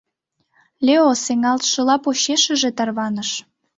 Лео сеҥалтшыла почешыже тарваныш.